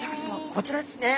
こちらですね。